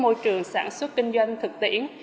đối với môi trường sản xuất kinh doanh thực tiễn